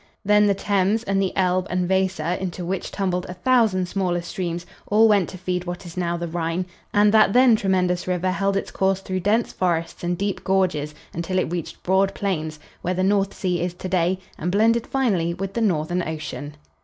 Then the Thames and the Elbe and Weser, into which tumbled a thousand smaller streams, all went to feed what is now the Rhine, and that then tremendous river held its course through dense forests and deep gorges until it reached broad plains, where the North Sea is to day, and blended finally with the Northern Ocean.